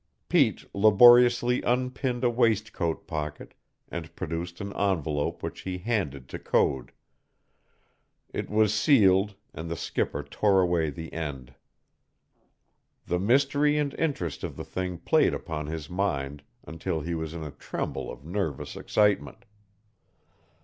Pete laboriously unpinned a waistcoat pocket and produced an envelope which he handed to Code. It was sealed, and the skipper tore away the end. The mystery and interest of the thing played upon his mind until he was in a tremble of nervous excitement.